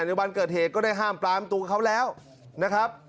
ในวันเกิดเหตุก็ได้ห้ามปลามตัวเขาแล้วนะครับ